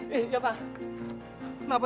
ratit bong saturasi pek